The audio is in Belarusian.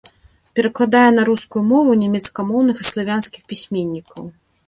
Перакладае на рускую мову нямецкамоўных і славянскіх пісьменнікаў.